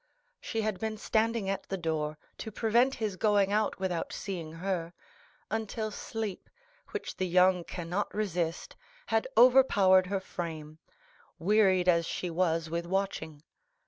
She had been standing at the door, to prevent his going out without seeing her, until sleep, which the young cannot resist, had overpowered her frame, wearied as she was with watching.